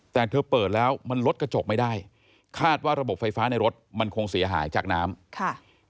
แต่เธอเปิดแล้วมันลดกระจกไม่ได้คาดว่าระบบไฟฟ้าในรถมันคงเสียหายจากน้ำค่ะ